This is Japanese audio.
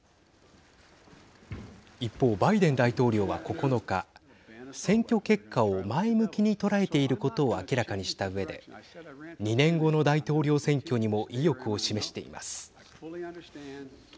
一方、バイデン大統領は９日選挙結果を前向きに捉えていることを明らかにしたうえで２年後の大統領選挙にも意欲を示しています。